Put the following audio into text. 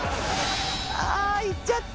あいっちゃった。